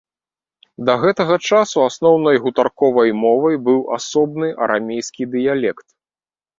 Да гэтага часу асноўнай гутарковай мовай быў асобны арамейскі дыялект.